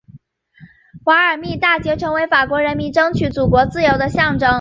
瓦尔密大捷成为法国人民争取祖国自由的象征。